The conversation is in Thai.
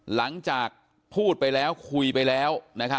หลังจากพูดไปแล้วคุยไปแล้ว